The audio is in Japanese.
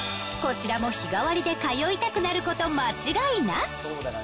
こちらも日替わりで通いたくなる事間違いなし！